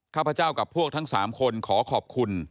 ข้าพเจ้ากับพวกทั้ง๓คนขอขอบคุณ